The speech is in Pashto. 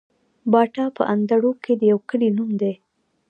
باټا په اندړو کي د يو کلي نوم دی